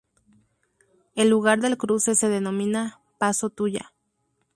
El lugar del cruce se denomina "Paso Tuya".